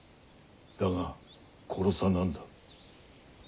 だが殺さなんだ。